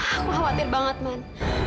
aku khawatir banget man